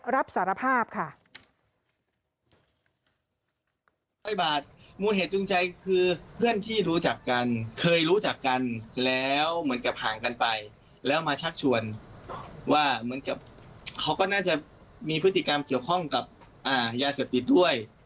แล้วมาชักชวนว่าเหมือนกับเขาก็น่าจะมีพฤติกรรมเกี่ยวข้องกับยาเสพติดด้วย